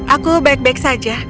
aku baik baik saja